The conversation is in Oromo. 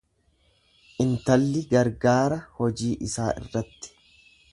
Intalli gargaara hojii isaa irratti.